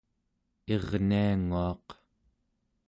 irnianguaq